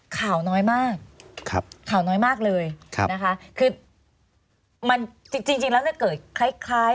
ข่าวน้อยมากข่าวน้อยมากเลยนะคะคือมันจริงแล้วเนี่ยเกิดคล้ายคล้าย